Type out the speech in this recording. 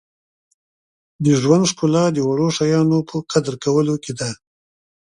• د ژوند ښکلا د وړو شیانو په قدر کولو کې ده.